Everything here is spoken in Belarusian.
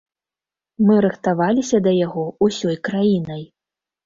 Мы рыхтаваліся да яго ўсёй краінай.